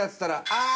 ああ！